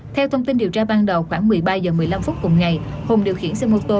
theo thông tin điều tra ban đầu khoảng một mươi ba h một mươi năm phút cùng ngày hùng điều khiển xe mô tô